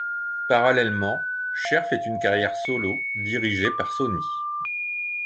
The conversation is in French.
Parallèlement, Cher fait une carrière solo dirigée par Sonny.